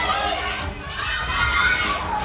ออกไปเลย